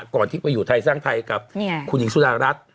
ก่อนที่ไปอยู่ไทยสร้างไทยกับคุณหญิงสุดารัฐ